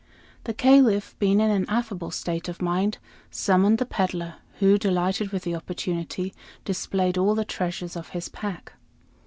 The Caliph, being in an affable state of mind, summoned the peddler, who, delighted with the opportunity, displayed all the treasures of his pack.